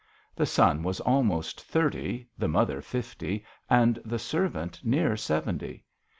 The son was almost thirty, the mother fifty, and the servant near seventy.